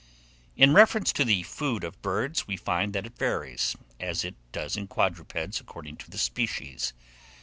IN REFERENCE TO THE FOOD OF BIRDS, we find that it varies, as it does in quadrupeds, according to the species.